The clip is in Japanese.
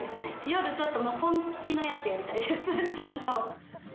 夜ちょっと本気のやつやりたいですちゃんと。